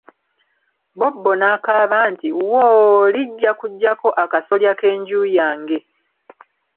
Bobbo n'akaaba nti " Woo lijja kuggyako akasolya k'enju yange!